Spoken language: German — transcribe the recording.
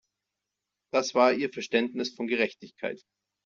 Das war ihr Verständnis von Gerechtigkeit.